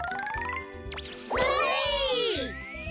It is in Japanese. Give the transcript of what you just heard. それ！